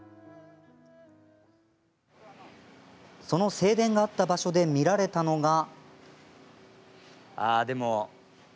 その正殿があった場所で見られたのが。